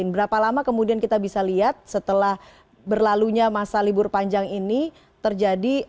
berapa lama kemudian kita bisa lihat setelah berlalunya masa libur panjang ini terjadi